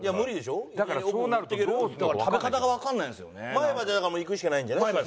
前歯でだからもういくしかないんじゃない？